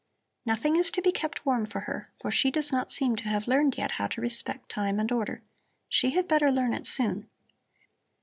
"Nothing is to be kept warm for her, for she does not seem to have learned yet how to respect time and order. She had better learn it soon."